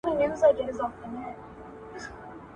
• پلار دي د ږيري سره راته ولاړ و، ما ور نه کی.